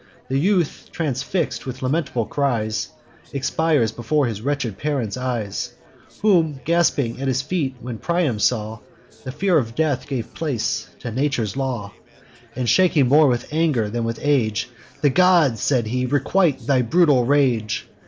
The youth, transfix'd, with lamentable cries, Expires before his wretched parent's eyes: Whom gasping at his feet when Priam saw, The fear of death gave place to nature's law; And, shaking more with anger than with age, 'The gods,' said he, 'requite thy brutal rage!